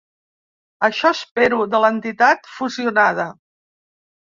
Això espero de l’entitat fusionada.